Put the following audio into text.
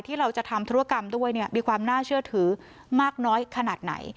เราจะทำธุรกรรมด้วยมีความน่าเชื่อถือมากน้อยขนาดไหน